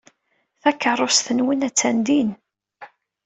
Takeṛṛust-nwen attan din.